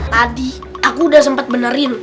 tadi aku udah sempet benerin